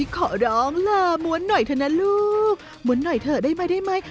ขอร้องลาม้วนหน่อยเถอะนะลูกม้วนหน่อยเถอะได้ไหมได้ไหม